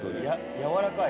やわらかい。